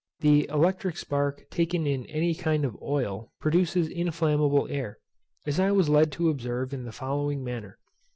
The electric spark taken in any kind of oil produces inflammable air, as I was led to observe in the following manner.